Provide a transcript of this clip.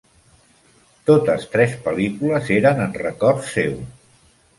Totes tres pel·lícules eren en record seu.